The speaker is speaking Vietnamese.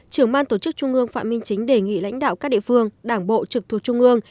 trưởng ban tổ chức trung ương phạm minh chính đề nghị lãnh đạo các địa phương đảng bộ trực thuộc trung ương